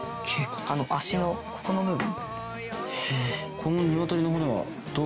足のここの部分。